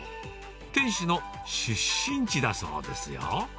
店主の出身地だそうですよ。